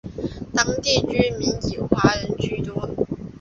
当地居民以华人居多。